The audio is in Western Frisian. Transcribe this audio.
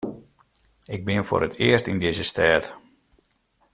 Ik bin foar it earst yn dizze stêd.